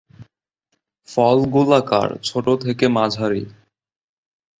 ফল গোলাকার, ছোট থেকে মাঝারি।